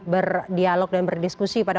berdialog dan berdiskusi pada